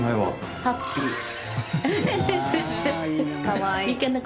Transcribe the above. かわいい。